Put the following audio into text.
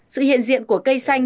sự hiện diện của cây xanh